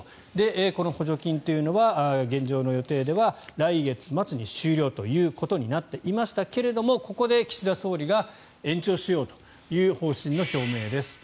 この補助金というのは現状の予定では来月末に終了ということになっていましたがここで岸田総理が延長しようという方針の表明です。